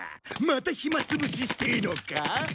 また暇つぶししてえのか？